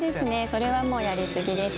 それはもうやり過ぎです。